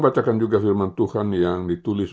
bacakan juga firman tuhan yang ditulis